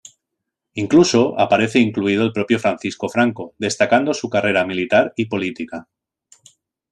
Incluso aparece incluido el propio Francisco Franco, destacando su carrera militar y política.